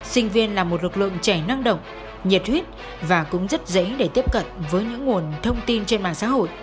sinh viên là một lực lượng trẻ năng động nhiệt huyết và cũng rất dễ để tiếp cận với những nguồn thông tin trên mạng xã hội